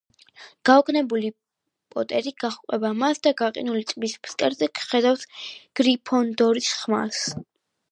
გაოგნებული პოტერი გაჰყვება მას და გაყინული ტბის ფსკერზე ხედავს გრიფინდორის ხმალს.